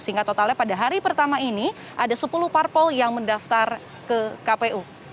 sehingga totalnya pada hari pertama ini ada sepuluh parpol yang mendaftar ke kpu